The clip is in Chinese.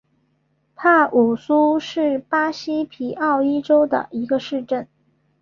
帕武苏是巴西皮奥伊州的一个市镇。